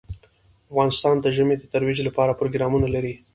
افغانستان د ژمی د ترویج لپاره پروګرامونه لري.